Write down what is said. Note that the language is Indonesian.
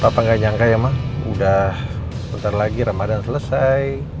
papa nggak nyangka ya mak udah sebentar lagi ramadhan selesai